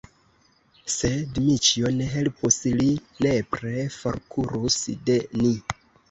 Se Dmiĉjo ne helpus, li nepre forkurus de ni!